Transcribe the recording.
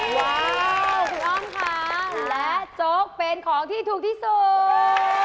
ว้าวคุณอ้อมค่ะและโจ๊กเป็นของที่ถูกที่สุด